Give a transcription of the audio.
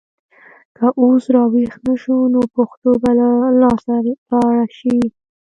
که اوس راویښ نه شو نو پښتو به له لاسه لاړه شي.